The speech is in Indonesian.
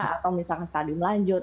atau misalnya stadium lanjut